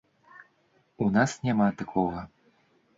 У нас няма такога!